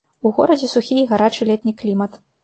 У горадзе сухі і гарачы летні клімат.